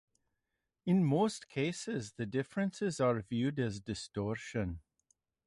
In most cases, the differences are viewed as distortion.